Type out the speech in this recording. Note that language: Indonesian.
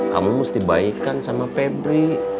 kamu jahat ward sama febri